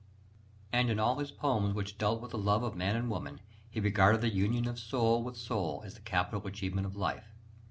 And in all his poems which deal with the love of man and woman, "he regarded the union of soul with soul as the capital achievement of life."